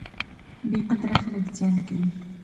بې قدره خلک زیان کوي.